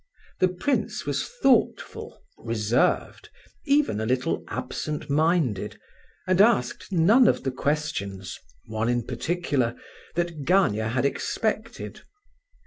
The prince was thoughtful, reserved, even a little absent minded, and asked none of the questions—one in particular—that Gania had expected.